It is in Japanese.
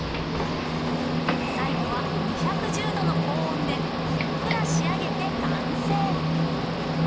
最後は２１０℃の高温でふっくら仕上げて完成］